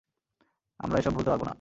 আমরা এসব ভুলতে পারব না!